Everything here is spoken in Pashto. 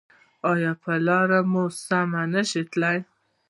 ایا لاره مو سمه نه شئ تللی؟